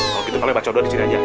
kalo gitu kalian baca doa disini aja